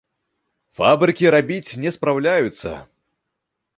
Фабрыкі рабіць не спраўляюцца.